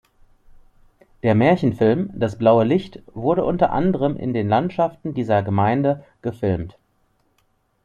Der Märchenfilm "Das blaue Licht" wurde unter anderem in den Landschaften dieser Gemeinde gefilmt.